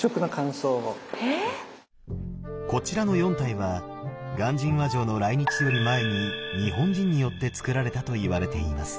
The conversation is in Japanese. こちらの４体は鑑真和上の来日より前に日本人によってつくられたといわれています。